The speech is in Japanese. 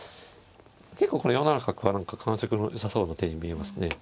結構この４七角は何か感触のよさそうな手に見えますね。